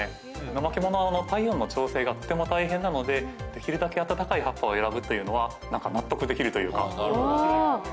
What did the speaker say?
ナマケモノは体温の調整がとても大変なので、できるだけ温かい葉っぱを選ぶというのは、なんか納得できるというれしい。